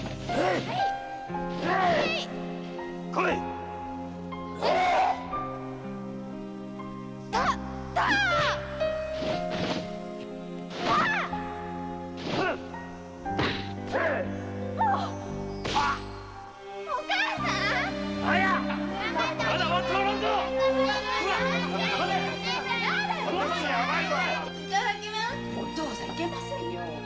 〔お父さんいけませんよ〕